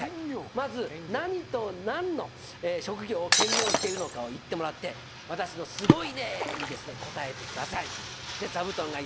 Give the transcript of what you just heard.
まず何と何の職業を兼業しているのかを言ってもらって私の「すごいねぇ」に答えてください。